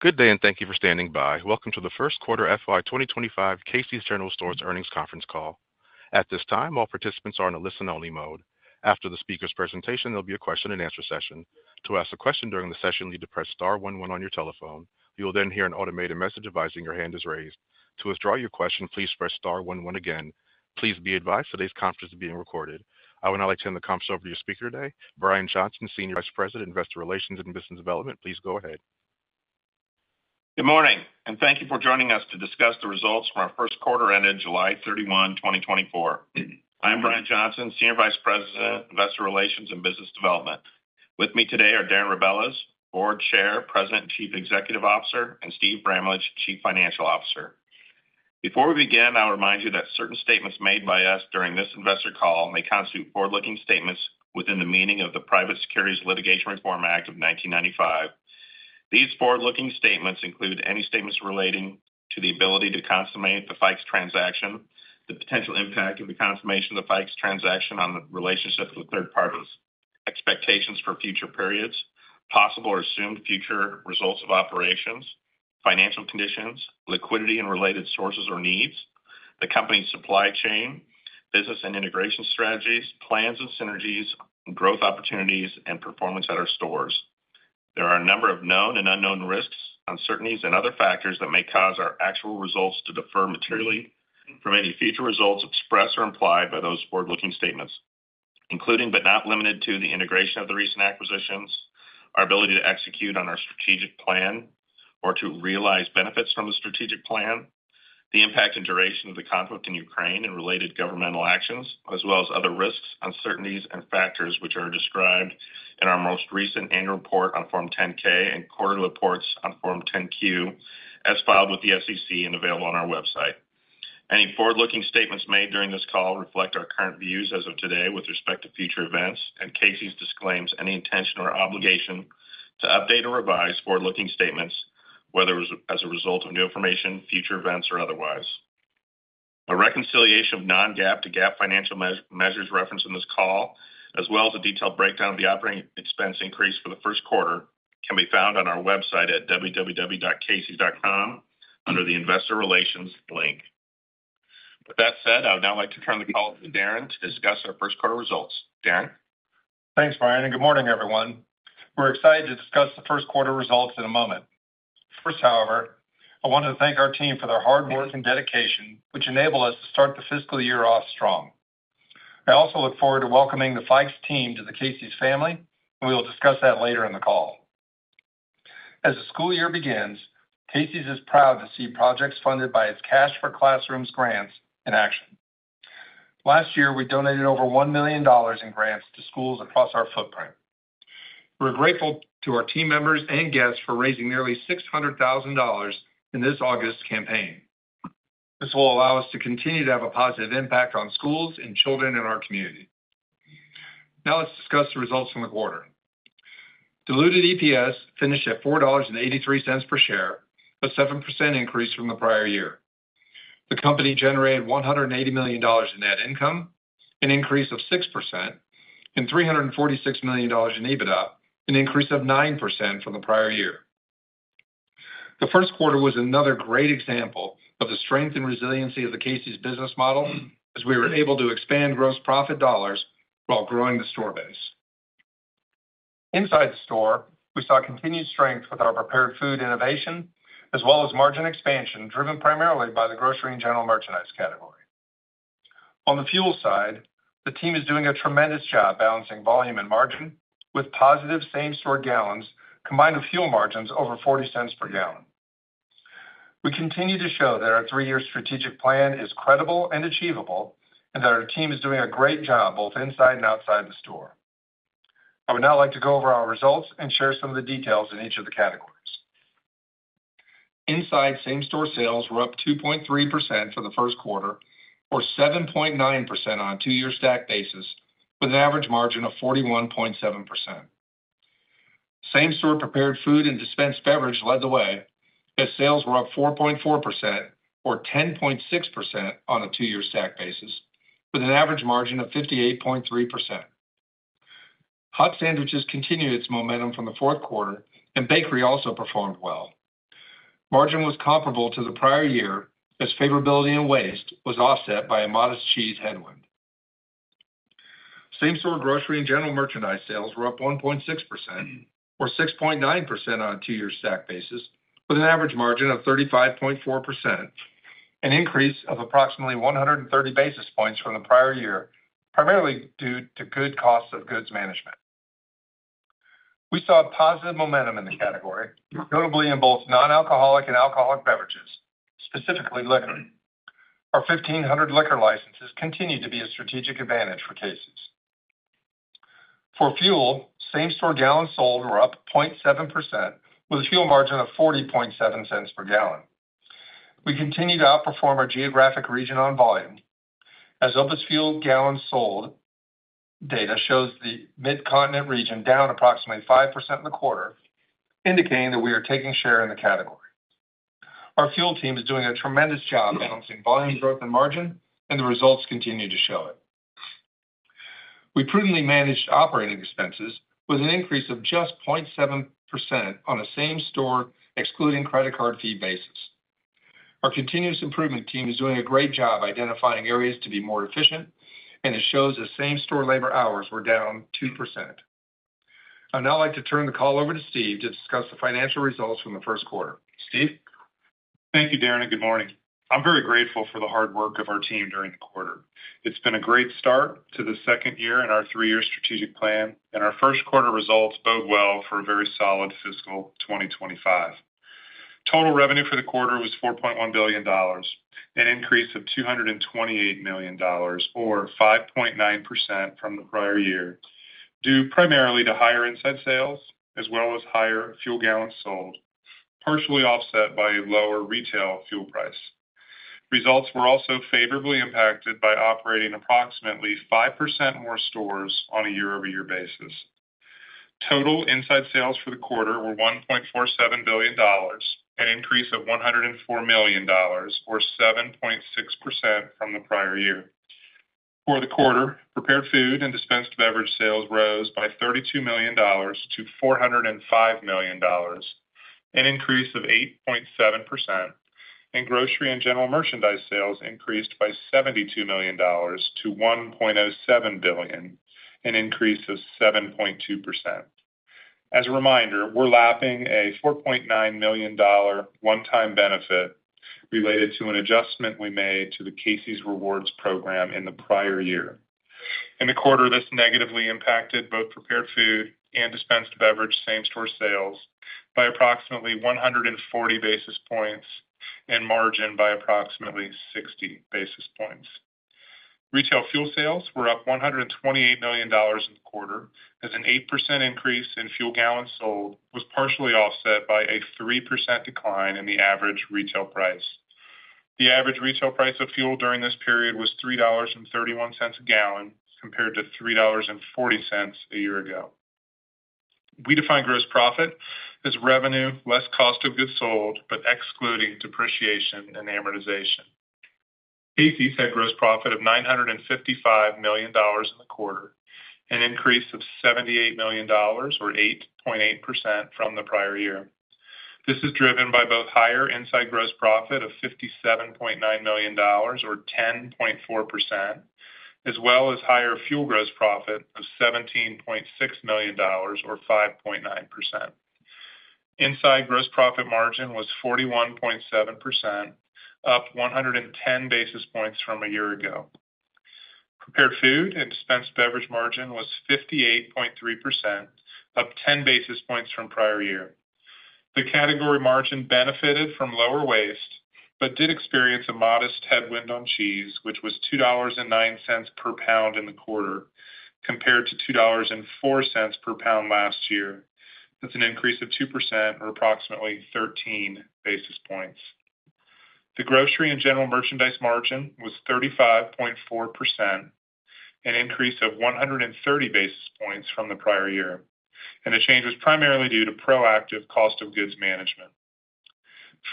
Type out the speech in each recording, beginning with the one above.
Good day, and thank you for standing by. Welcome to the first quarter FY 2025 Casey's General Stores earnings conference call. At this time, all participants are in a listen-only mode. After the speaker's presentation, there'll be a question-and-answer session. To ask a question during the session, you need to press star one one on your telephone. You will then hear an automated message advising your hand is raised. To withdraw your question, please press star one one again. Please be advised, today's conference is being recorded. I would now like to turn the conference over to your speaker today, Brian Johnson, Senior Vice President, Investor Relations, and Business Development. Please go ahead. Good morning, and thank you for joining us to discuss the results from our first quarter ended July 31, 2024. I'm Brian Johnson, Senior Vice President, Investor Relations and Business Development. With me today are Darren Rebelez, Board Chair, President, and Chief Executive Officer, and Steve Bramlage, Chief Financial Officer. Before we begin, I'll remind you that certain statements made by us during this investor call may constitute forward-looking statements within the meaning of the Private Securities Litigation Reform Act of 1995. These forward-looking statements include any statements relating to the ability to consummate the Fikes transaction, the potential impact of the confirmation of the Fikes transaction on the relationship with third parties, expectations for future periods, possible or assumed future results of operations, financial conditions, liquidity and related sources or needs, the company's supply chain, business and integration strategies, plans and synergies, growth opportunities, and performance at our stores. There are a number of known and unknown risks, uncertainties, and other factors that may cause our actual results to differ materially from any future results expressed or implied by those forward-looking statements, including but not limited to, the integration of the recent acquisitions, our ability to execute on our strategic plan or to realize benefits from the strategic plan, the impact and duration of the conflict in Ukraine and related governmental actions, as well as other risks, uncertainties, and factors which are described in our most recent annual report on Form 10-K and quarterly reports on Form 10-Q, as filed with the SEC and available on our website. Any forward-looking statements made during this call reflect our current views as of today with respect to future events, and Casey's disclaims any intention or obligation to update or revise forward-looking statements, whether as a result of new information, future events, or otherwise. A reconciliation of non-GAAP to GAAP financial measures referenced in this call, as well as a detailed breakdown of the operating expense increase for the first quarter, can be found on our website at www.caseys.com under the Investor Relations link. With that said, I would now like to turn the call over to Darren to discuss our first quarter results. Darren? Thanks, Brian, and good morning, everyone. We're excited to discuss the first quarter results in a moment. First, however, I want to thank our team for their hard work and dedication, which enabled us to start the fiscal year off strong. I also look forward to welcoming the Fikes team to the Casey's family, and we will discuss that later in the call. As the school year begins, Casey's is proud to see projects funded by its Cash for Classrooms grants in action. Last year, we donated over $1 million in grants to schools across our footprint. We're grateful to our team members and guests for raising nearly $600,000 in this August campaign. This will allow us to continue to have a positive impact on schools and children in our community. Now, let's discuss the results from the quarter. Diluted EPS finished at $4.83 per share, a 7% increase from the prior year. The company generated $180 million in net income, an increase of 6%, and $346 million in EBITDA, an increase of 9% from the prior year. The first quarter was another great example of the strength and resiliency of the Casey's business model, as we were able to expand gross profit dollars while growing the store base. Inside the store, we saw continued strength with our prepared food innovation, as well as margin expansion, driven primarily by the grocery and general merchandise category. On the fuel side, the team is doing a tremendous job balancing volume and margin, with positive same-store gallons, combined with fuel margins over $0.40 per gallon. We continue to show that our three-year strategic plan is credible and achievable and that our team is doing a great job both inside and outside the store. I would now like to go over our results and share some of the details in each of the categories. Inside same-store sales were up 2.3% for the first quarter or 7.9% on a two-year stack basis, with an average margin of 41.7%. Same-store prepared food and dispensed beverage led the way, as sales were up 4.4% or 10.6% on a two-year stack basis, with an average margin of 58.3%. Hot sandwiches continued its momentum from the fourth quarter, and bakery also performed well. Margin was comparable to the prior year, as favorability and waste was offset by a modest cheese headwind. Same-store grocery and general merchandise sales were up 1.6% or 6.9% on a two-year stack basis, with an average margin of 35.4%, an increase of approximately 130 basis points from the prior year, primarily due to good cost of goods management. We saw positive momentum in the category, notably in both non-alcoholic and alcoholic beverages, specifically liquor. Our 1,500 liquor licenses continue to be a strategic advantage for Casey's. For fuel, same-store gallons sold were up 0.7%, with a fuel margin of $0.407 per gallon. We continue to outperform our geographic region on volume, as OPIS fuel gallons sold data shows the Midcontinent region down approximately 5% in the quarter, indicating that we are taking share in the category. Our fuel team is doing a tremendous job balancing volume growth and margin, and the results continue to show it. We prudently managed operating expenses with an increase of just 0.7% on a same-store, excluding credit card fee basis. Our continuous improvement team is doing a great job identifying areas to be more efficient, and it shows the same-store labor hours were down 2%. I'd now like to turn the call over to Steve to discuss the financial results from the first quarter. Steve? Thank you, Darren, and good morning. I'm very grateful for the hard work of our team during the quarter. It's been a great start to the second year in our three-year strategic plan, and our first quarter results bode well for a very solid fiscal 2025. Total revenue for the quarter was $4.1 billion, an increase of $228 million, or 5.9% from the prior year, due primarily to higher inside sales as well as higher fuel gallons sold, partially offset by lower retail fuel price. Results were also favorably impacted by operating approximately 5% more stores on a year-over-year basis. Total inside sales for the quarter were $1.47 billion, an increase of $104 million, or 7.6% from the prior year. For the quarter, prepared food and dispensed beverage sales rose by $32 million to $405 million, an increase of 8.7%, and grocery and general merchandise sales increased by $72 million to $1.07 billion, an increase of 7.2%. As a reminder, we're lapping a $4.9 million one-time benefit related to an adjustment we made to the Casey's Rewards program in the prior year. In the quarter, this negatively impacted both prepared food and dispensed beverage same-store sales by approximately 140 basis points and margin by approximately 60 basis points. Retail fuel sales were up $128 million in the quarter, as an 8% increase in fuel gallons sold was partially offset by a 3% decline in the average retail price. The average retail price of fuel during this period was $3.31 a gallon, compared to $3.40 a year ago. We define gross profit as revenue, less cost of goods sold, but excluding depreciation and amortization. Casey's had gross profit of $955 million in the quarter, an increase of $78 million, or 8.8% from the prior year. This is driven by both higher inside gross profit of $57.9 million, or 10.4%, as well as higher fuel gross profit of $17.6 million, or 5.9%. Inside gross profit margin was 41.7%, up 110 basis points from a year ago. Prepared food and dispensed beverage margin was 58.3%, up 10 basis points from prior year. The category margin benefited from lower waste, but did experience a modest headwind on cheese, which was $2.09 per pound in the quarter, compared to $2.04 per pound last year. That's an increase of 2% or approximately 13 basis points. The grocery and general merchandise margin was 35.4%, an increase of 130 basis points from the prior year, and the change was primarily due to proactive cost of goods management.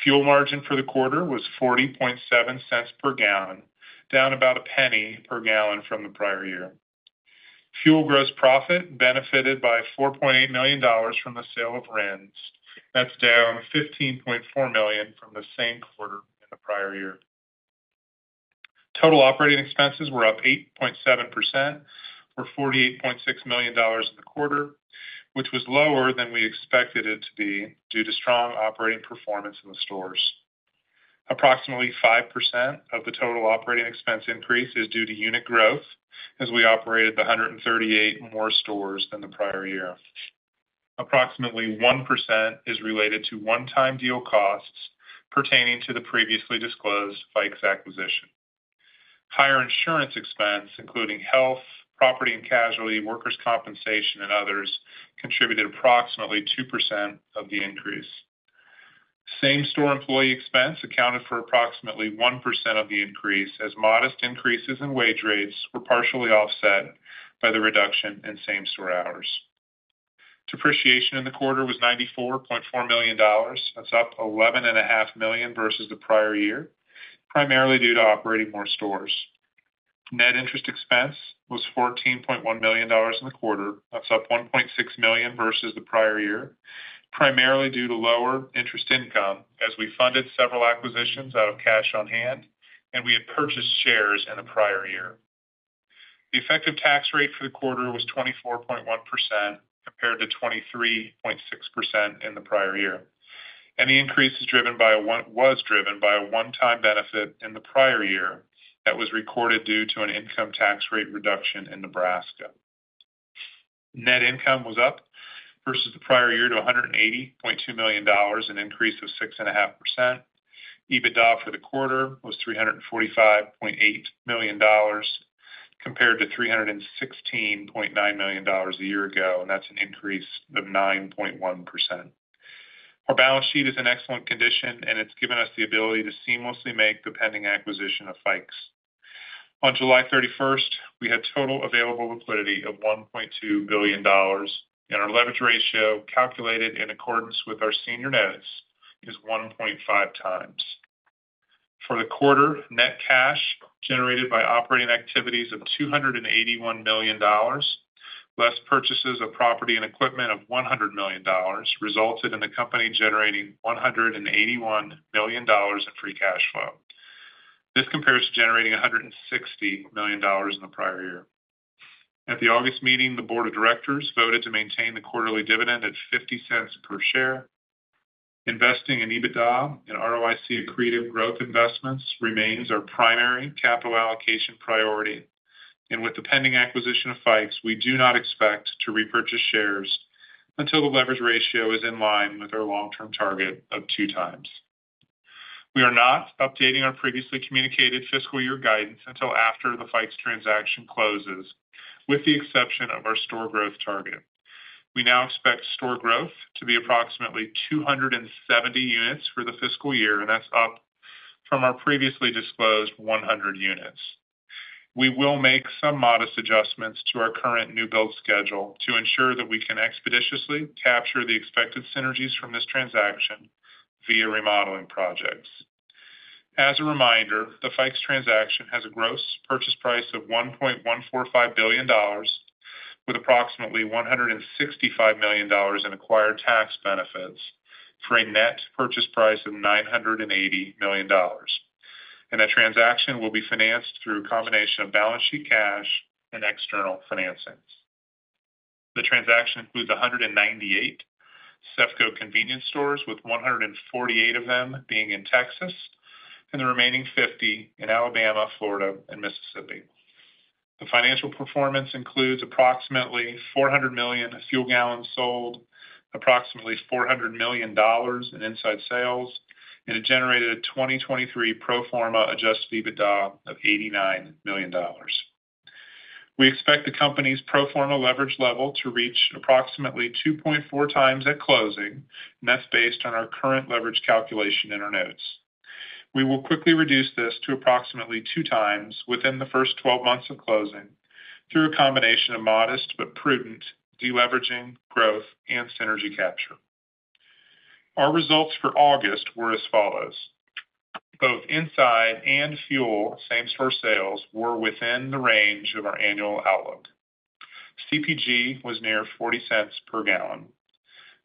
Fuel margin for the quarter was $0.407 per gallon, down about $0.01 per gallon from the prior year. Fuel gross profit benefited by $4.8 million from the sale of brands. That's down $15.4 million from the same quarter in the prior year. Total operating expenses were up 8.7% for $48.6 million in the quarter, which was lower than we expected it to be due to strong operating performance in the stores. Approximately 5% of the total operating expense increase is due to unit growth, as we operated 138 more stores than the prior year. Approximately 1% is related to one-time deal costs pertaining to the previously disclosed Fikes acquisition. Higher insurance expense, including health, property and casualty, workers' compensation, and others, contributed approximately 2% of the increase. Same-store employee expense accounted for approximately 1% of the increase, as modest increases in wage rates were partially offset by the reduction in same-store hours. Depreciation in the quarter was $94.4 million. That's up $11.5 million versus the prior year, primarily due to operating more stores. Net interest expense was $14.1 million in the quarter. That's up $1.6 million versus the prior year, primarily due to lower interest income as we funded several acquisitions out of cash on hand, and we had purchased shares in the prior year. The effective tax rate for the quarter was 24.1%, compared to 23.6% in the prior year, and the increase was driven by a one-time benefit in the prior year that was recorded due to an income tax rate reduction in Nebraska. Net income was up versus the prior year to $180.2 million, an increase of 6.5%. EBITDA for the quarter was $345.8 million, compared to $316.9 million a year ago, and that's an increase of 9.1%. Our balance sheet is in excellent condition, and it's given us the ability to seamlessly make the pending acquisition of Fikes. On July 31, we had total available liquidity of $1.2 billion, and our leverage ratio, calculated in accordance with our senior notes, is 1.5x. For the quarter, net cash generated by operating activities of $281 million, less purchases of property and equipment of $100 million, resulted in the company generating $181 million in free cash flow. This compares to generating $160 million in the prior year. At the August meeting, the board of directors voted to maintain the quarterly dividend at $0.50 per share. Investing in EBITDA and ROIC accretive growth investments remains our primary capital allocation priority, and with the pending acquisition of Fikes, we do not expect to repurchase shares until the leverage ratio is in line with our long-term target of 2x. We are not updating our previously communicated fiscal year guidance until after the Fikes transaction closes, with the exception of our store growth target. We now expect store growth to be approximately 270 units for the fiscal year, and that's up from our previously disclosed 100 units. We will make some modest adjustments to our current new build schedule to ensure that we can expeditiously capture the expected synergies from this transaction via remodeling projects. As a reminder, the Fikes transaction has a gross purchase price of $1.145 billion, with approximately $165 million in acquired tax benefits, for a net purchase price of $980 million. That transaction will be financed through a combination of balance sheet, cash, and external financings. The transaction includes 198 CEFCO convenience stores, with 148 of them being in Texas and the remaining 50 in Alabama, Florida, and Mississippi. The financial performance includes approximately 400 million fuel gallons sold, approximately $400 million in inside sales, and it generated a 2023 pro forma adjusted EBITDA of $89 million. We expect the company's pro forma leverage level to reach approximately 2.4x at closing, and that's based on our current leverage calculation in our notes. We will quickly reduce this to approximately 2x within the first 12 months of closing, through a combination of modest but prudent deleveraging growth and synergy capture. Our results for August were as follows: Both inside and fuel same-store sales were within the range of our annual outlook. CPG was near $0.40 per gallon.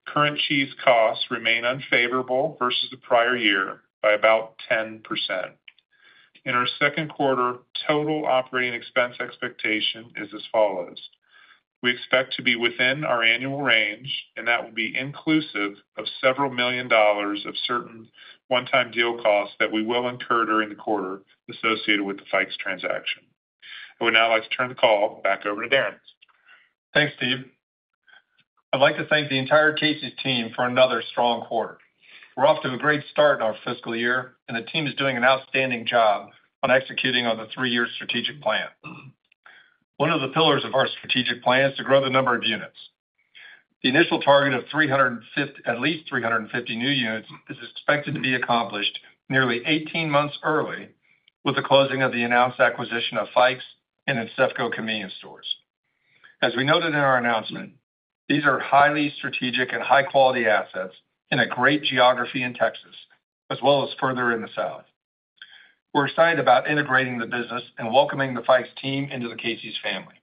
Current cheese costs remain unfavorable versus the prior year by about 10%. In our second quarter, total operating expense expectation is as follows: We expect to be within our annual range, and that will be inclusive of several million dollars of certain one-time deal costs that we will incur during the quarter associated with the Fikes transaction. I would now like to turn the call back over to Darren. Thanks, Steve. I'd like to thank the entire Casey's team for another strong quarter. We're off to a great start in our fiscal year, and the team is doing an outstanding job on executing on the three-year strategic plan. One of the pillars of our strategic plan is to grow the number of units. The initial target of at least 350 new units is expected to be accomplished nearly 18 months early, with the closing of the announced acquisition of Fikes and its CEFCO convenience stores. As we noted in our announcement, these are highly strategic and high-quality assets in a great geography in Texas, as well as further in the South. We're excited about integrating the business and welcoming the Fikes team into the Casey's family.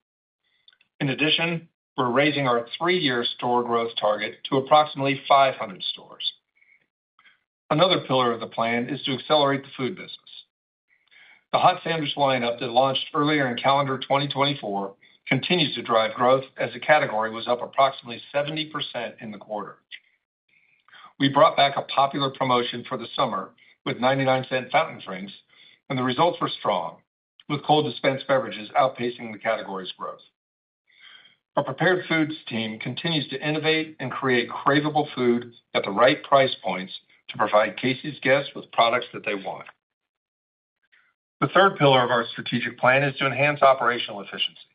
In addition, we're raising our three-year store growth target to approximately 500 stores. Another pillar of the plan is to accelerate the food business. The hot sandwich lineup that launched earlier in calendar 2024 continues to drive growth, as the category was up approximately 70% in the quarter. We brought back a popular promotion for the summer with $0.99 fountain drinks, and the results were strong, with cold dispensed beverages outpacing the category's growth. Our prepared foods team continues to innovate and create craveable food at the right price points to provide Casey's guests with products that they want. The third pillar of our strategic plan is to enhance operational efficiency.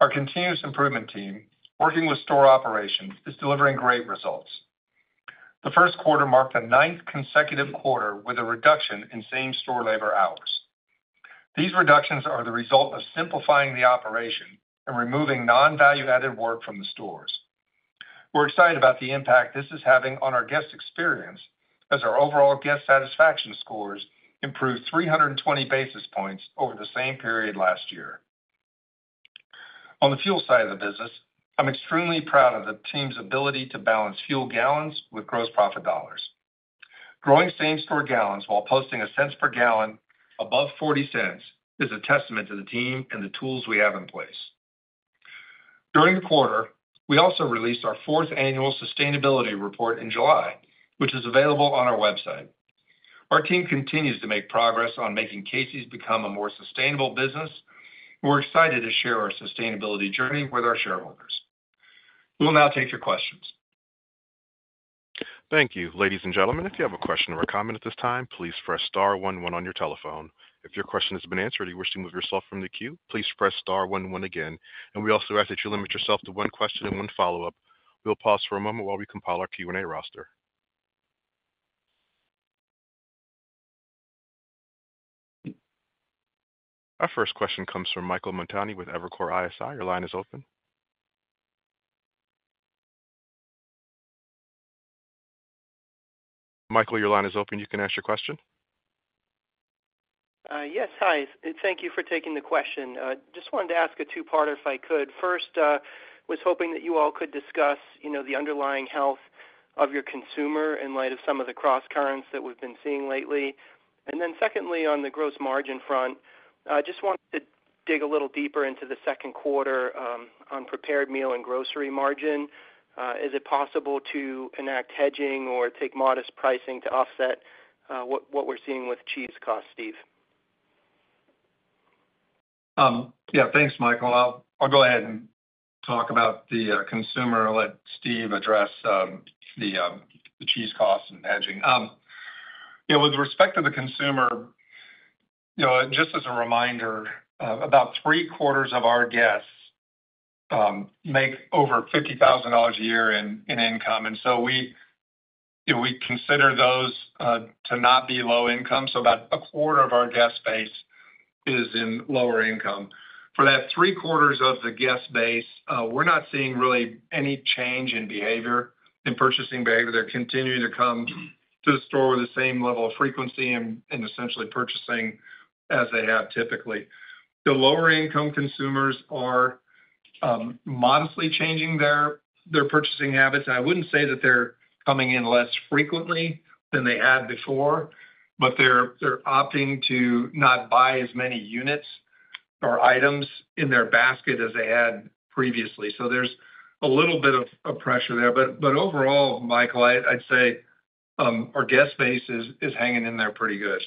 Our continuous improvement team, working with store operations, is delivering great results. The first quarter marked a ninth consecutive quarter with a reduction in same-store labor hours. These reductions are the result of simplifying the operation and removing non-value-added work from the stores. We're excited about the impact this is having on our guest experience, as our overall guest satisfaction scores improved 320 basis points over the same period last year. On the fuel side of the business, I'm extremely proud of the team's ability to balance fuel gallons with gross profit dollars. Growing same-store gallons while posting a cents per gallon, above $0.40 is a testament to the team and the tools we have in place. During the quarter, we also released our fourth annual sustainability report in July, which is available on our website. Our team continues to make progress on making Casey's become a more sustainable business, and we're excited to share our sustainability journey with our shareholders. We'll now take your questions. Thank you. Ladies and gentlemen, if you have a question or a comment at this time, please press star one one on your telephone. If your question has been answered or you wish to move yourself from the queue, please press star one one again, and we also ask that you limit yourself to one question and one follow-up. We'll pause for a moment while we compile our Q&A roster. Our first question comes from Michael Montani with Evercore ISI. Your line is open. Michael, your line is open. You can ask your question. Yes, hi, and thank you for taking the question. Just wanted to ask a two-parter, if I could. First, was hoping that you all could discuss, you know, the underlying health of your consumer in light of some of the crosscurrents that we've been seeing lately. And then secondly, on the gross margin front, I just wanted to dig a little deeper into the second quarter, on prepared meal and grocery margin. Is it possible to enact hedging or take modest pricing to offset, what we're seeing with cheese costs, Steve? Yeah, thanks, Michael. I'll go ahead and talk about the consumer, and let Steve address the cheese costs and hedging. You know, with respect to the consumer, you know, just as a reminder, about three-quarters of our guests make over $50,000 a year in income, and so we... You know, we consider those to not be low income, so about a quarter of our guest base is in lower income. For that three-quarters of the guest base, we're not seeing really any change in behavior, in purchasing behavior. They're continuing to come to the store with the same level of frequency and essentially purchasing as they have typically. The lower income consumers are modestly changing their purchasing habits. I wouldn't say that they're coming in less frequently than they had before, but they're opting to not buy as many units or items in their basket as they had previously. So there's a little bit of pressure there, but overall, Michael, I'd say, our guest base is hanging in there pretty good.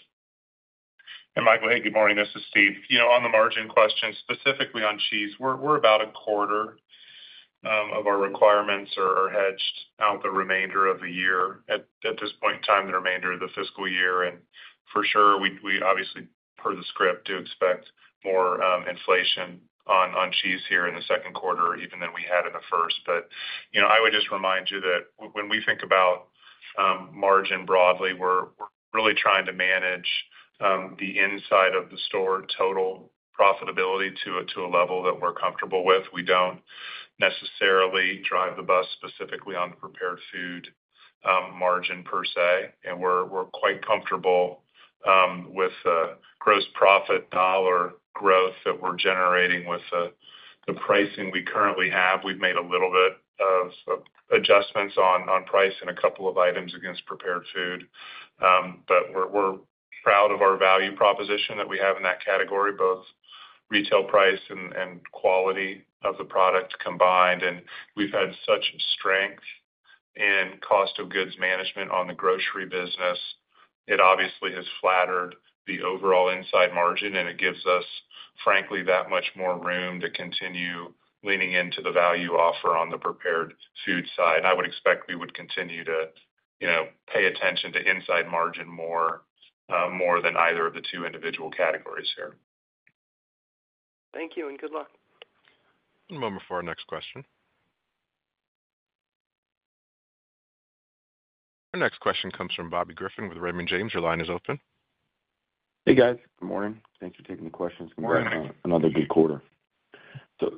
And Michael, hey, good morning. This is Steve. You know, on the margin question, specifically on cheese, we're about a quarter of our requirements are hedged out the remainder of the year. At this point in time, the remainder of the fiscal year, and for sure, we obviously, per the script, do expect more inflation on cheese here in the second quarter, even than we had in the first. But you know, I would just remind you that when we think about margin broadly, we're really trying to manage the inside of the store total profitability to a level that we're comfortable with. We don't necessarily drive the bus specifically on the prepared food margin, per se. We're quite comfortable with gross profit dollar growth that we're generating with the pricing we currently have. We've made a little bit of adjustments on price in a couple of items against prepared food. We're proud of our value proposition that we have in that category, both retail price and quality of the product combined. We've had such strength in cost of goods management on the grocery business. It obviously has flattered the overall inside margin, and it gives us, frankly, that much more room to continue leaning into the value offer on the prepared food side. I would expect we would continue to, you know, pay attention to inside margin more than either of the two individual categories here. Thank you, and good luck. One moment before our next question. Our next question comes from Bobby Griffin with Raymond James. Your line is open. Hey, guys. Good morning. Thanks for taking the questions. Good morning. Another good quarter, so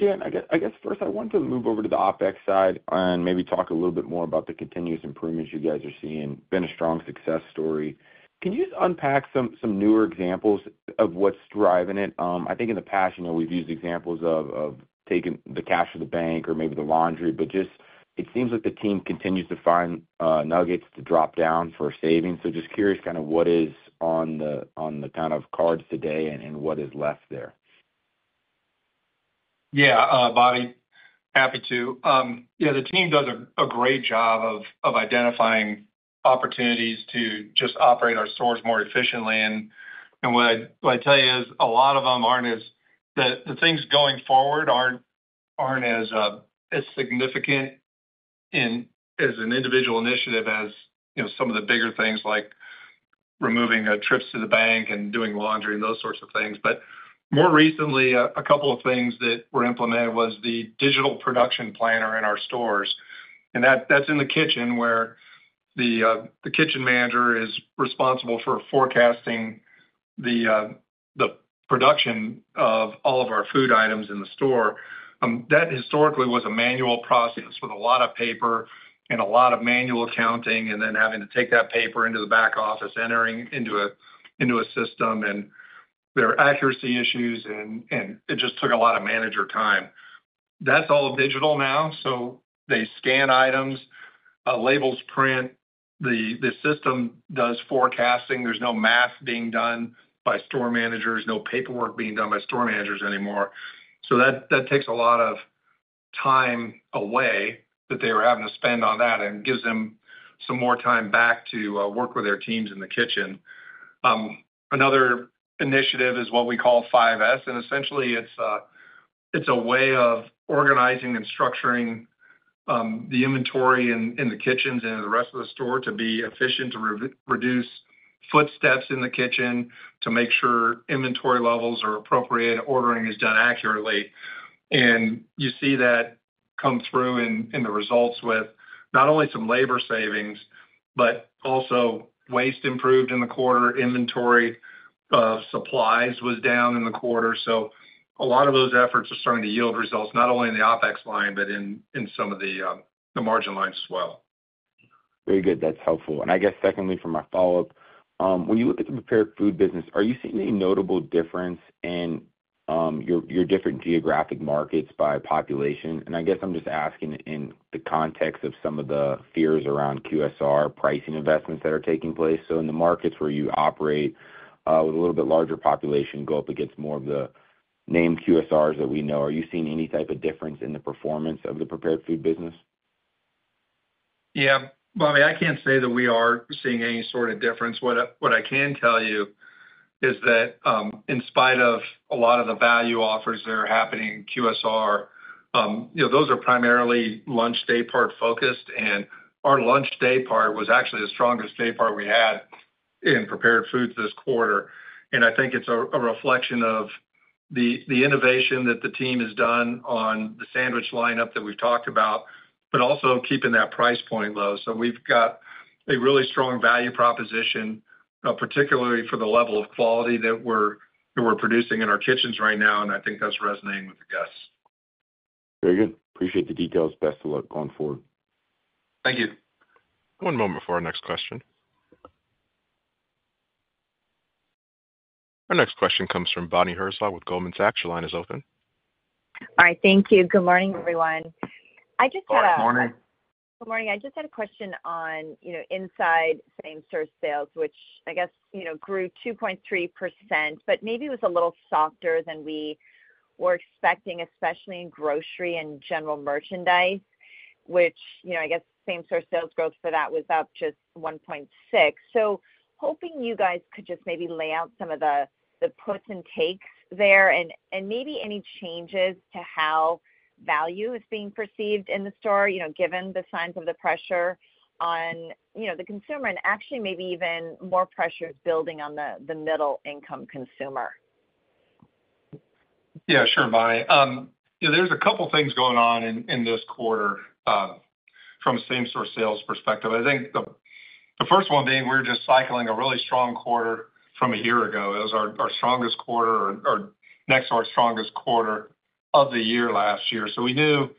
Darren, I guess first I wanted to move over to the OpEx side and maybe talk a little bit more about the continuous improvements you guys are seeing. Been a strong success story. Can you just unpack some newer examples of what's driving it? I think in the past, you know, we've used examples of taking the cash to the bank or maybe the laundry, but just it seems like the team continues to find nuggets to drop down for savings, so just curious, kind of what is on the kind of cards today and what is left there? Yeah, Bobby, happy to. Yeah, the team does a great job of identifying opportunities to just operate our stores more efficiently. And what I'd tell you is, a lot of them aren't as the things going forward aren't as significant in as an individual initiative as, you know, some of the bigger things, like removing trips to the bank and doing laundry and those sorts of things. But more recently, a couple of things that were implemented was the digital production planner in our stores, and that's in the kitchen where the kitchen manager is responsible for forecasting the production of all of our food items in the store. That historically was a manual process with a lot of paper and a lot of manual accounting, and then having to take that paper into the back office, entering into a system, and there are accuracy issues, and it just took a lot of manager time. That's all digital now, so they scan items, labels print, the system does forecasting. There's no math being done by store managers, no paperwork being done by store managers anymore. So that takes a lot of time away that they were having to spend on that and gives them some more time back to work with their teams in the kitchen. Another initiative is what we call 5S, and essentially it's a way of organizing and structuring the inventory in the kitchens and the rest of the store to be efficient, to reduce footsteps in the kitchen, to make sure inventory levels are appropriate, ordering is done accurately. And you see that come through in the results with not only some labor savings, but also waste improved in the quarter, inventory of supplies was down in the quarter. So a lot of those efforts are starting to yield results, not only in the OpEx line, but in some of the margin lines as well. Very good. That's helpful. And I guess secondly, for my follow-up, when you look at the prepared food business, are you seeing any notable difference in, your different geographic markets by population? And I guess I'm just asking in the context of some of the fears around QSR pricing investments that are taking place. So in the markets where you operate, with a little bit larger population, go up against more of the named QSRs that we know, are you seeing any type of difference in the performance of the prepared food business? Yeah, Bobby, I can't say that we are seeing any sort of difference. What I can tell you is that, in spite of a lot of the value offers that are happening in QSR, you know, those are primarily lunch day part focused, and our lunch day part was actually the strongest day part we had in prepared foods this quarter. And I think it's a reflection of the innovation that the team has done on the sandwich lineup that we've talked about, but also keeping that price point low. So we've got a really strong value proposition, particularly for the level of quality that we're producing in our kitchens right now, and I think that's resonating with the guests. Very good. Appreciate the details. Best of luck going forward. Thank you. One moment for our next question. Our next question comes from Bonnie Herzog with Goldman Sachs. Your line is open. All right, thank you. Good morning, everyone. I just had a- Good morning. Good morning. I just had a question on, you know, inside same-store sales, which I guess, you know, grew 2.3%, but maybe it was a little softer than we were expecting, especially in grocery and general merchandise, which, you know, I guess same-store sales growth for that was up just 1.6%. So hoping you guys could just maybe lay out some of the, the puts and takes there, and, and maybe any changes to how value is being perceived in the store, you know, given the signs of the pressure on, you know, the consumer, and actually maybe even more pressure is building on the, the middle-income consumer. Yeah, sure, Bonnie. Yeah, there's a couple things going on in this quarter from a same-store sales perspective. I think the first one being, we're just cycling a really strong quarter from a year ago. It was our strongest quarter or next to our strongest quarter of the year last year. So we knew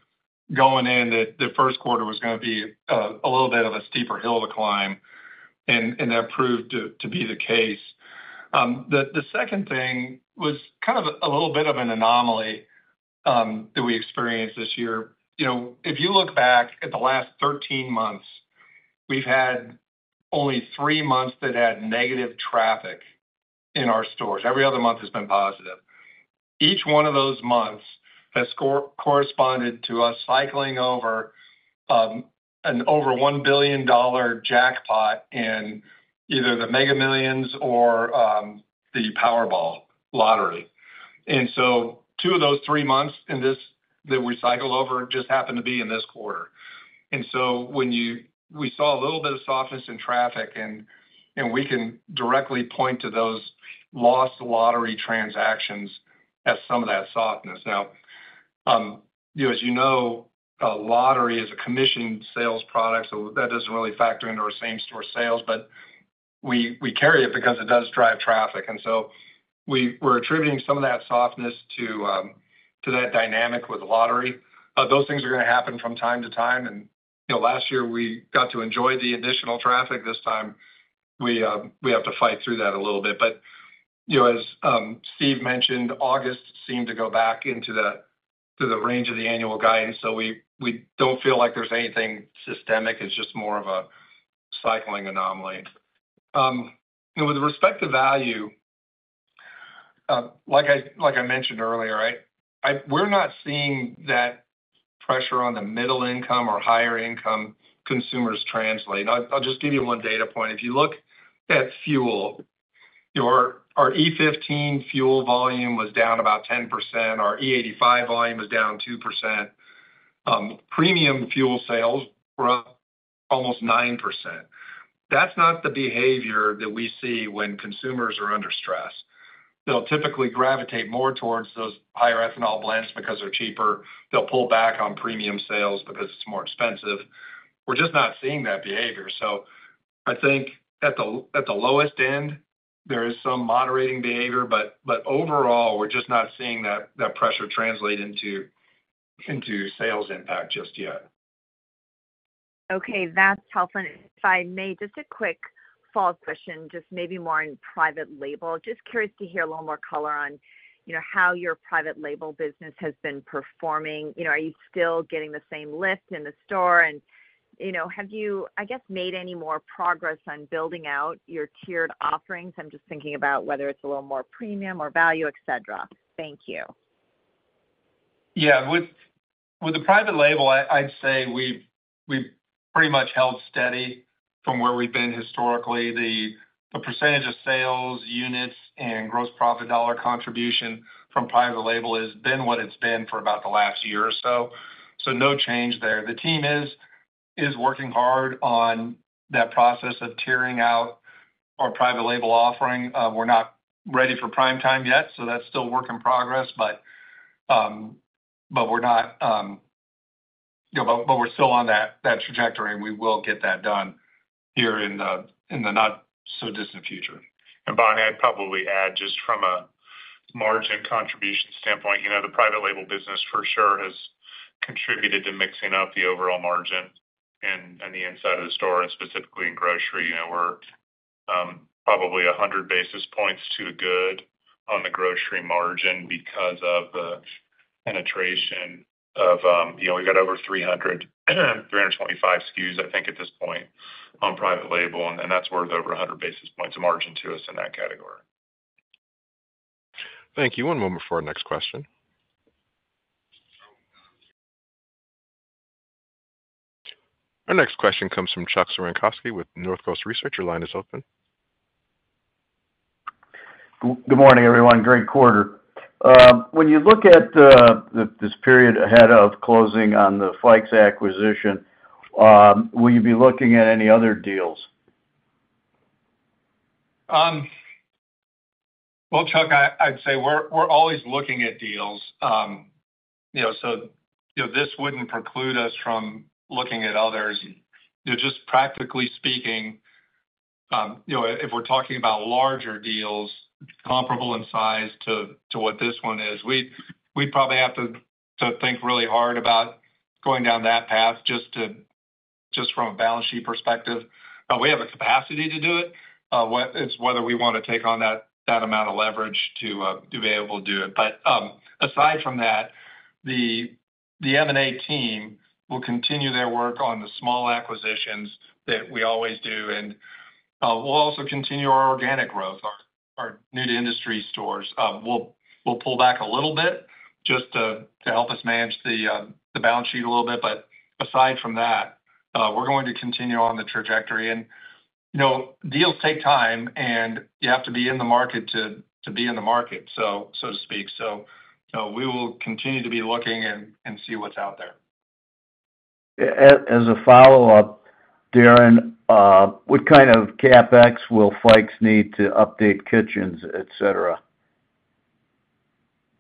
going in that the first quarter was gonna be a little bit of a steeper hill to climb, and that proved to be the case. The second thing was kind of a little bit of an anomaly that we experienced this year. You know, if you look back at the last thirteen months, we've had only three months that had negative traffic in our stores. Every other month has been positive. Each one of those months has corresponded to us cycling over $1 billion jackpot in either the Mega Millions or the Powerball lottery. And so two of those three months that we cycled over just happened to be in this quarter. And so when we saw a little bit of softness in traffic and we can directly point to those lost lottery transactions as some of that softness. Now, you know, as you know, a lottery is a commissioned sales product, so that doesn't really factor into our same-store sales, but we carry it because it does drive traffic, and so we're attributing some of that softness to that dynamic with the lottery. Those things are gonna happen from time to time, and, you know, last year we got to enjoy the additional traffic. This time, we have to fight through that a little bit. But you know, as Steve mentioned, August seemed to go back into the range of the annual guidance, so we don't feel like there's anything systemic. It's just more of a cycling anomaly. You know, with respect to value, like I mentioned earlier, we're not seeing that pressure on the middle income or higher income consumers translate. I'll just give you one data point. If you look at fuel, our E15 fuel volume was down about 10%. Our E85 volume was down 2%. Premium fuel sales were up almost 9%. That's not the behavior that we see when consumers are under stress. They'll typically gravitate more towards those higher ethanol blends because they're cheaper. They'll pull back on premium sales because it's more expensive. We're just not seeing that behavior. So I think at the lowest end, there is some moderating behavior, but overall, we're just not seeing that pressure translate into sales impact just yet. Okay, that's helpful. If I may, just a quick follow-up question, just maybe more on private label. Just curious to hear a little more color on, you know, how your private label business has been performing. You know, are you still getting the same lift in the store? And, you know, have you, I guess, made any more progress on building out your tiered offerings? I'm just thinking about whether it's a little more premium or value, et cetera. Thank you. Yeah. With the private label, I'd say we've pretty much held steady from where we've been historically. The percentage of sales, units, and gross profit dollar contribution from private label has been what it's been for about the last year or so, so no change there. The team is working hard on that process of tiering out our private label offering. We're not ready for prime time yet, so that's still work in progress, but we're not, you know, but we're still on that trajectory, and we will get that done here in the not-so-distant future. Bob, I'd probably add just from a margin contribution standpoint, you know, the private label business for sure has contributed to mixing up the overall margin and on the inside of the store, and specifically in grocery. You know, we're probably 100 basis points to the good on the grocery margin because of the penetration of, you know, we've got over 325 SKUs, I think, at this point, on private label, and that's worth over 100 basis points of margin to us in that category. Thank you. One moment before our next question. Our next question comes from Chuck Cerankosky with North Coast Research. Your line is open. Good morning, everyone. Great quarter. When you look at this period ahead of closing on the Fikes acquisition, will you be looking at any other deals? Well, Chuck, I'd say we're always looking at deals. You know, so, you know, this wouldn't preclude us from looking at others. You know, just practically speaking, you know, if we're talking about larger deals comparable in size to what this one is, we'd probably have to think really hard about going down that path just from a balance sheet perspective. We have a capacity to do it. It's whether we wanna take on that amount of leverage to be able to do it. But, aside from that, the M&A team will continue their work on the small acquisitions that we always do, and we'll also continue our organic growth, our new to industry stores. We'll pull back a little bit just to help us manage the balance sheet a little bit. But aside from that, we're going to continue on the trajectory. And, you know, deals take time, and you have to be in the market to be in the market, so to speak. So we will continue to be looking and see what's out there. As a follow-up, Darren, what kind of CapEx will Fikes need to update kitchens, et cetera?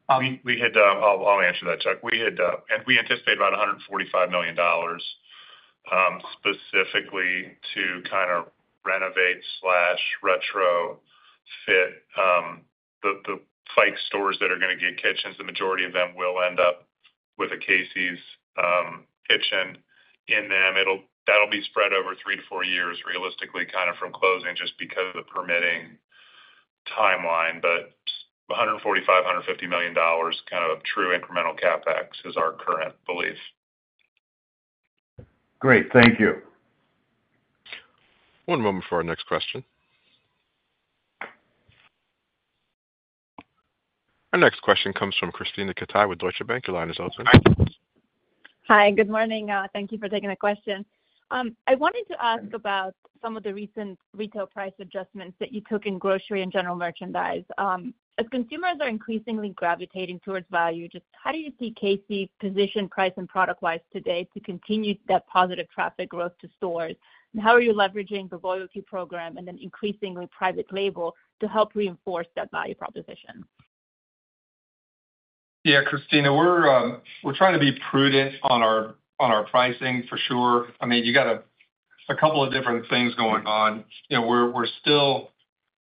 I'll answer that, Chuck. We had, and we anticipate about $145 million, specifically to kind of renovate slash retrofit, the Fikes stores that are gonna get kitchens. The majority of them will end up with a Casey's kitchen in them. That'll be spread over three to four years, realistically, kind of from closing, just because of the permitting timeline. But $145-$150 million, kind of true incremental CapEx is our current belief. Great, thank you. One moment before our next question. Our next question comes from Krisztina Katai with Deutsche Bank. Your line is open. Hi, good morning. Thank you for taking the question. I wanted to ask about some of the recent retail price adjustments that you took in grocery and general merchandise. As consumers are increasingly gravitating towards value, just how do you see Casey's position, price, and product wise today to continue that positive traffic growth to stores? And how are you leveraging the loyalty program and then increasingly private label to help reinforce that value proposition? Yeah, Krisztina, we're trying to be prudent on our pricing, for sure. I mean, you got a couple of different things going on. You know, we're still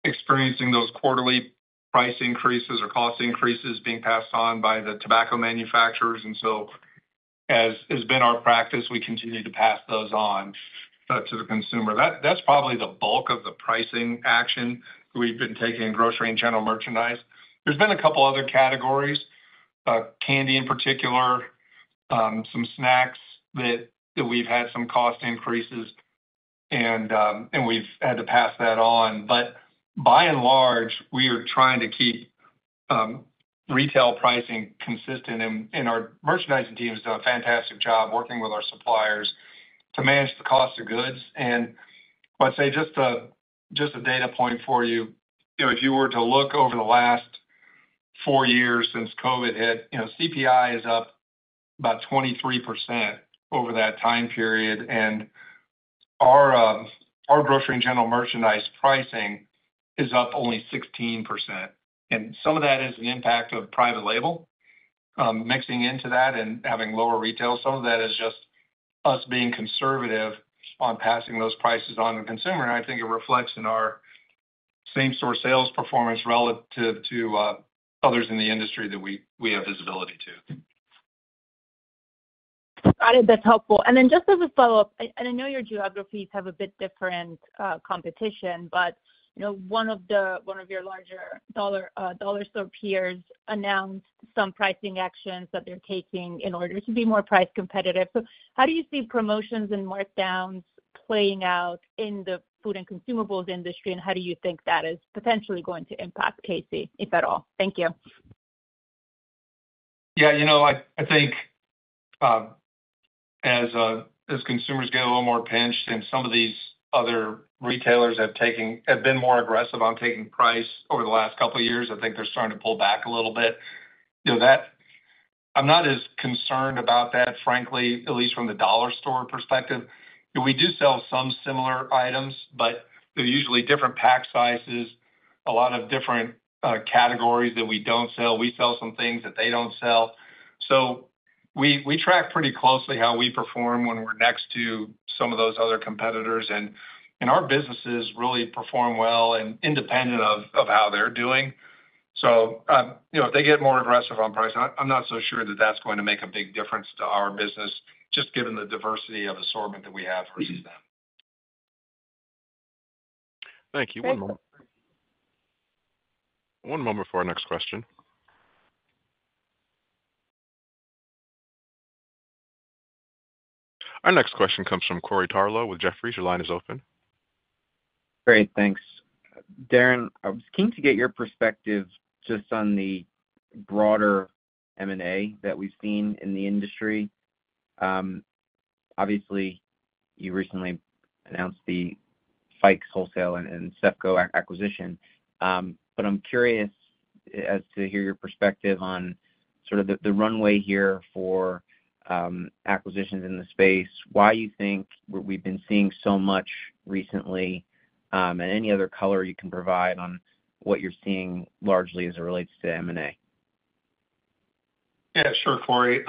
experiencing those quarterly price increases or cost increases being passed on by the tobacco manufacturers, and so as has been our practice, we continue to pass those on to the consumer. That's probably the bulk of the pricing action we've been taking in grocery and general merchandise. There's been a couple other categories, candy in particular, some snacks that we've had some cost increases, and we've had to pass that on. But by and large, we are trying to keep retail pricing consistent, and our merchandising team has done a fantastic job working with our suppliers to manage the cost of goods. I'd say just a data point for you, you know, if you were to look over the last four years since COVID hit, you know, CPI is up about 23% over that time period, and our grocery and general merchandise pricing is up only 16%. Some of that is the impact of private label mixing into that and having lower retail. Some of that is just us being conservative on passing those prices on to the consumer, and I think it reflects in our same-store sales performance relative to others in the industry that we have visibility to. Got it, that's helpful. And then just as a follow-up, I know your geographies have a bit different competition, but you know, one of your larger dollar store peers announced some pricing actions that they're taking in order to be more price competitive. So how do you see promotions and markdowns playing out in the food and consumables industry, and how do you think that is potentially going to impact Casey's, if at all? Thank you. Yeah, you know, I think as consumers get a little more pinched and some of these other retailers have been more aggressive on taking price over the last couple of years, I think they're starting to pull back a little bit. You know, I'm not as concerned about that, frankly, at least from the dollar store perspective. We do sell some similar items, but they're usually different pack sizes, a lot of different categories that we don't sell. We sell some things that they don't sell. So we track pretty closely how we perform when we're next to some of those other competitors, and our businesses really perform well and independent of how they're doing. You know, if they get more aggressive on pricing, I'm not so sure that that's going to make a big difference to our business, just given the diversity of assortment that we have versus them. Thank you. One moment before our next question. Our next question comes from Corey Tarlowe with Jefferies. Your line is open. Great, thanks. Darren, I was keen to get your perspective just on the broader M&A that we've seen in the industry. Obviously, you recently announced the Fikes Wholesale and CEFCO acquisition. But I'm curious as to hear your perspective on sort of the runway here for acquisitions in the space, why you think we've been seeing so much recently, and any other color you can provide on what you're seeing largely as it relates to M&A? Yeah, sure, Corey.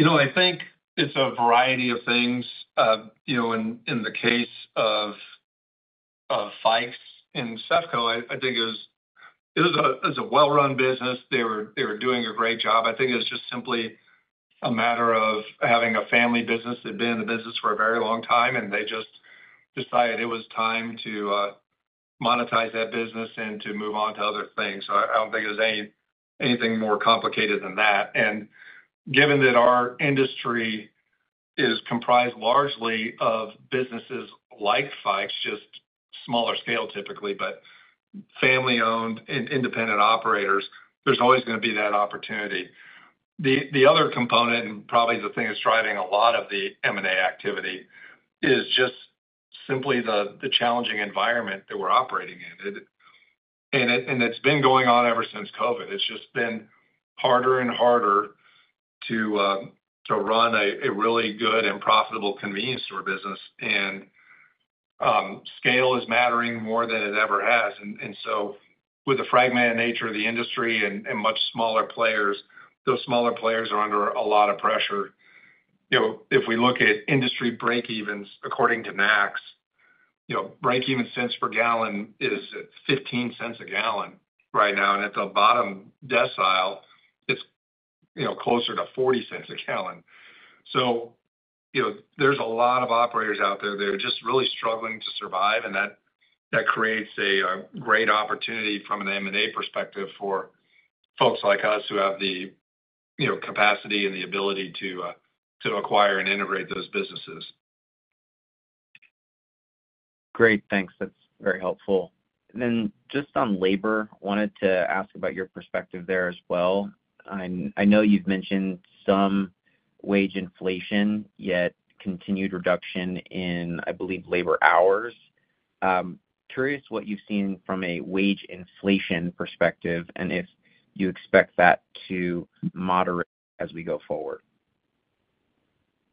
You know, I think it's a variety of things. You know, in the case of Fikes and CEFCO, I think it was a well-run business. They were doing a great job. I think it was just simply a matter of having a family business that had been in the business for a very long time, and they just decided it was time to monetize that business and to move on to other things. So I don't think it was anything more complicated than that. And given that our industry is comprised largely of businesses like Fikes, just smaller scale, typically, but family-owned and independent operators, there's always gonna be that opportunity. The other component, and probably the thing that's driving a lot of the M&A activity, is just simply the challenging environment that we're operating in. It's been going on ever since COVID. It's just been harder and harder to run a really good and profitable convenience store business, and scale is mattering more than it ever has, and so with the fragmented nature of the industry and much smaller players, those smaller players are under a lot of pressure. You know, if we look at industry breakevens, according to NACS, you know, breakeven cents per gallon is at $0.15 a gallon right now, and at the bottom decile, it's, you know, closer to $0.40 a gallon. So, you know, there's a lot of operators out there that are just really struggling to survive, and that creates a great opportunity from an M&A perspective for folks like us who have the, you know, capacity and the ability to acquire and integrate those businesses. Great, thanks. That's very helpful. And then just on labor, wanted to ask about your perspective there as well. I'm. I know you've mentioned some wage inflation, yet continued reduction in, I believe, labor hours. Curious what you've seen from a wage inflation perspective and if you expect that to moderate as we go forward.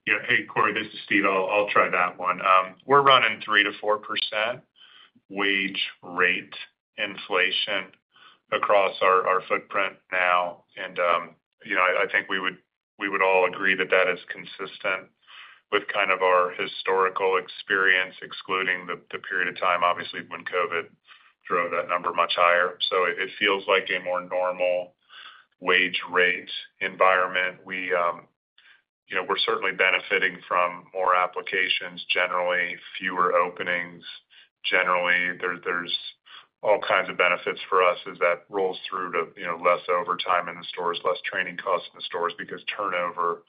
Yeah. Hey, Corey, this is Steve. I'll try that one. We're running 3%-4% wage rate inflation across our footprint now, and you know, I think we would all agree that that is consistent with kind of our historical experience, excluding the period of time, obviously, when COVID drove that number much higher. So it feels like a more normal wage rate environment. We, you know, we're certainly benefiting from more applications, generally fewer openings. Generally, there's all kinds of benefits for us as that rolls through to, you know, less overtime in the stores, less training costs in the stores, because turnover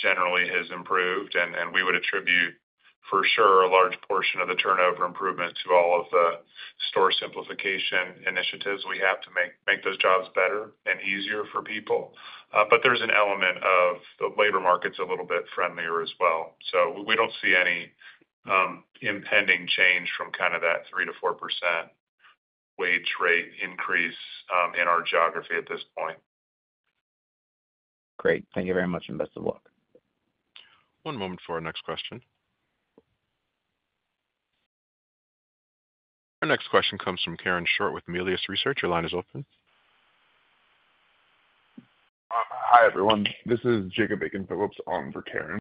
generally has improved. We would attribute, for sure, a large portion of the turnover improvement to all of the store simplification initiatives we have to make those jobs better and easier for people, but there's an element of the labor market's a little bit friendlier as well, so we don't see any impending change from kind of that 3%-4% wage rate increase in our geography at this point. Great. Thank you very much, and best of luck. One moment for our next question. Our next question comes from Karen Short with Melius Research. Your line is open. Hi, everyone. This is Jacob Aiken-Phillips on for Karen.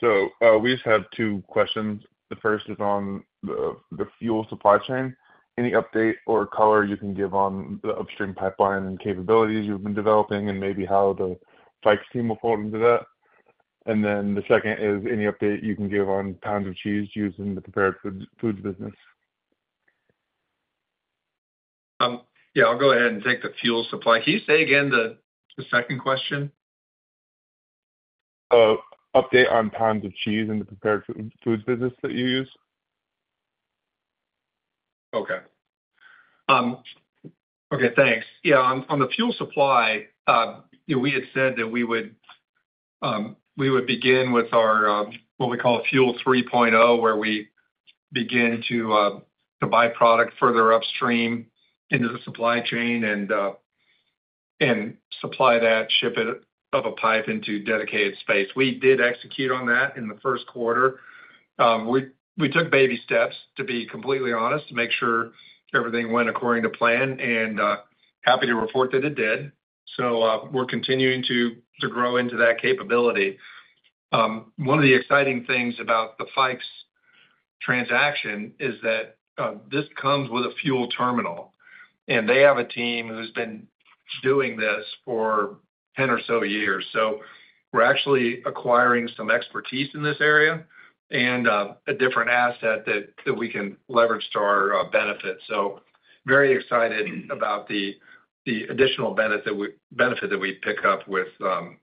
So, we just have two questions. The first is on the fuel supply chain. Any update or color you can give on the upstream pipeline and capabilities you've been developing, and maybe how the Fikes team will fold into that? And then the second is, any update you can give on pounds of cheese used in the prepared foods business? Yeah, I'll go ahead and take the fuel supply. Can you say again the second question? Update on pounds of cheese in the prepared foods business that you use. Okay, thanks. Yeah, on the fuel supply, you know, we had said that we would begin with our what we call Fuel 3.0, where we begin to buy product further upstream into the supply chain and supply that, ship it up a pipe into dedicated space. We did execute on that in the first quarter. We took baby steps, to be completely honest, to make sure everything went according to plan, and happy to report that it did, so we're continuing to grow into that capability. One of the exciting things about the Fikes transaction is that this comes with a fuel terminal, and they have a team who's been doing this for 10 or so years. So we're actually acquiring some expertise in this area and a different asset that we can leverage to our benefit. So very excited about the additional benefit that we pick up with the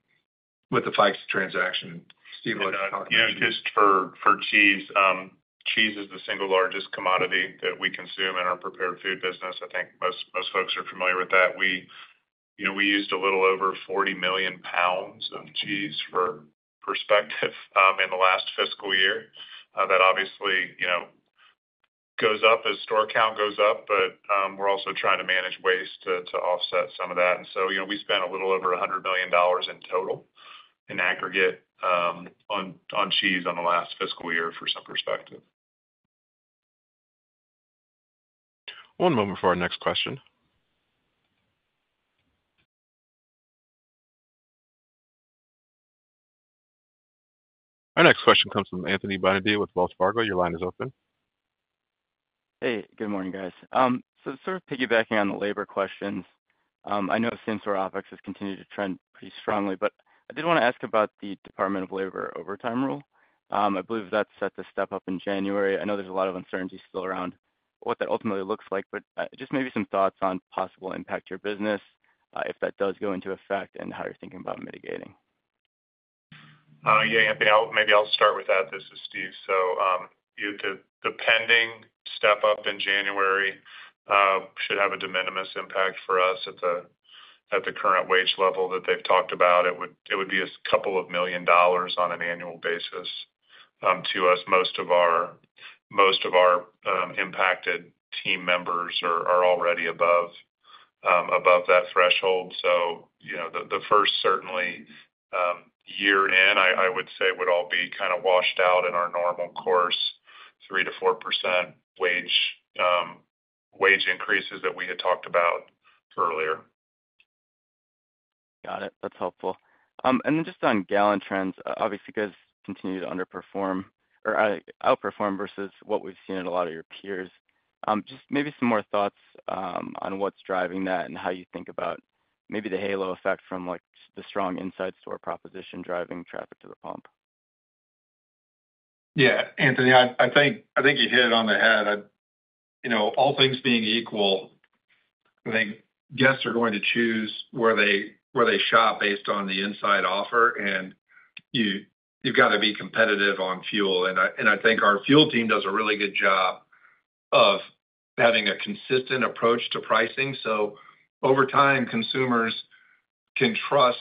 Fikes transaction. Steve, want to comment? Yeah, just for, for cheese. Cheese is the single largest commodity that we consume in our prepared food business. I think most folks are familiar with that. We, you know, we used a little over 40 million lbs of cheese, for perspective, in the last fiscal year. That obviously, you know, goes up as store count goes up, but we're also trying to manage waste to, to offset some of that. And so, you know, we spent a little over $100 million in total, in aggregate, on cheese on the last fiscal year, for some perspective. One moment for our next question. Our next question comes from Anthony Bonadio with Wells Fargo. Your line is open. Hey, good morning, guys. So sort of piggybacking on the labor questions. I know same-store OpEx has continued to trend pretty strongly, but I did want to ask about the Department of Labor overtime rule. I believe that's set to step up in January. I know there's a lot of uncertainty still around what that ultimately looks like, but just maybe some thoughts on possible impact to your business, if that does go into effect, and how you're thinking about mitigating. Yeah, Anthony, I'll maybe I'll start with that. This is Steve. So, you know, the pending step up in January should have a de minimis impact for us at the current wage level that they've talked about. It would be $2 million on an annual basis to us. Most of our impacted team members are already above that threshold. So, you know, the first certainly year in, I would say, would all be kind of washed out in our normal course, 3%-4% wage increases that we had talked about earlier. Got it. That's helpful. And then just on gallon trends, obviously, you guys continue to underperform or outperform versus what we've seen in a lot of your peers. Just maybe some more thoughts on what's driving that and how you think about maybe the halo effect from, like, the strong inside store proposition driving traffic to the pump. Yeah, Anthony. I think you hit it on the head. You know, all things being equal, I think guests are going to choose where they shop based on the inside offer, and you've got to be competitive on fuel. And I think our fuel team does a really good job of having a consistent approach to pricing. So over time, consumers can trust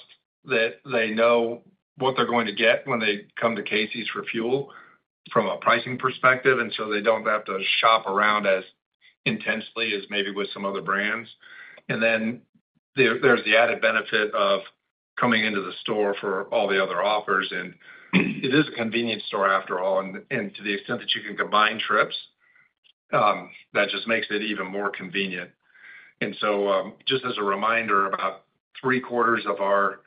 that they know what they're going to get when they come to Casey's for fuel from a pricing perspective, and so they don't have to shop around as intensely as maybe with some other brands. And then there's the added benefit of coming into the store for all the other offers, and it is a convenience store, after all. And to the extent that you can combine trips, that just makes it even more convenient. And so, just as a reminder, about three-quarters of our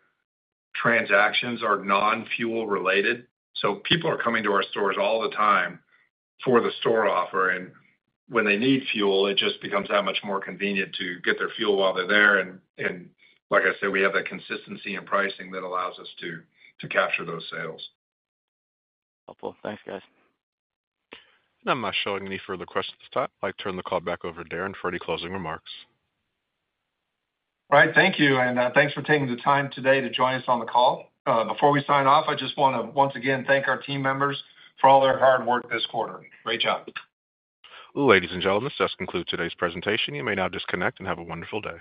transactions are non-fuel related. So people are coming to our stores all the time for the store offer, and when they need fuel, it just becomes that much more convenient to get their fuel while they're there. And like I said, we have that consistency in pricing that allows us to capture those sales. Helpful. Thanks, guys. I'm not showing any further questions at this time. I'd like to turn the call back over to Darren for any closing remarks. All right, thank you, and, thanks for taking the time today to join us on the call. Before we sign off, I just want to once again thank our team members for all their hard work this quarter. Great job! Ladies and gentlemen, this does conclude today's presentation. You may now disconnect and have a wonderful day.